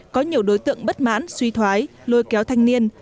có nhiều đối tượng bất mãn suy thoái lôi kéo thanh niên